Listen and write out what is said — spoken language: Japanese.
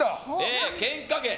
ケンカ芸。